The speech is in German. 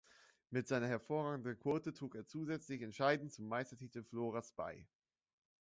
Mit seiner hervorragenden Quote trug er zusätzlich entscheidend zum Meistertitel Floras bei.